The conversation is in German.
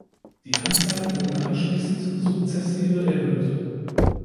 Die Anzahl wurde anschließend sukzessive erhöht.